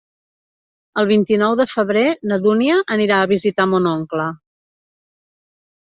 El vint-i-nou de febrer na Dúnia anirà a visitar mon oncle.